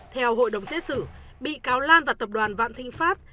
theo hội đồng xét xử bị cáo lan và tập đoàn vạn thịnh pháp